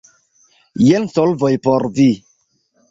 Jen solvoj por vi.